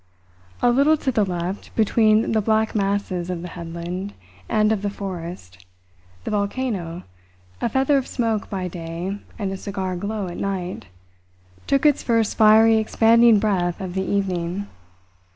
A little to the left, between the black masses of the headland and of the forest, the volcano, a feather of smoke by day and a cigar glow at night, took its first fiery expanding breath of the evening.